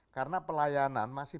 karena pelayanan masih